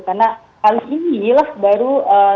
karena kali inilah baru